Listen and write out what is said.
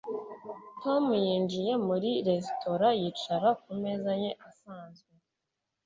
Tom yinjiye muri resitora yicara ku meza ye asanzwe